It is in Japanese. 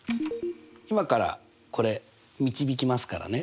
今からこれ導きますからね。